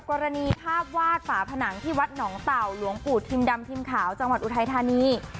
กรณีภาพวาดฝาผนังที่วัดหนองเต่าหลวงปู่ทิมดำทิมขาวจังหวัดอุทัยธานี